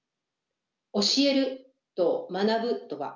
「教える」と「学ぶ」とは？